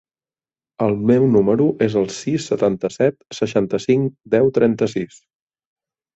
El meu número es el sis, setanta-set, seixanta-cinc, deu, trenta-sis.